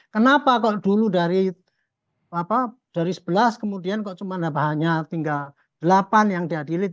kenapa kok dulu dari sebelas kemudian kok cuma bahannya tinggal delapan yang diadili